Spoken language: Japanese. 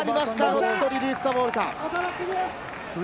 ノットリリースザボールか？